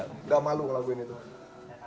nggak malu ngelakuin itu